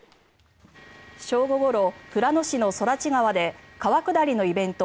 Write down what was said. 正午ごろ富良野市の空知川で川下りのイベント